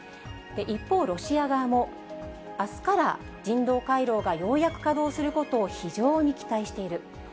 一方、ロシア側も、あすから人道回廊がようやく稼働することを非常に期待している。